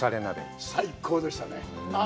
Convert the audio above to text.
最高でしたね。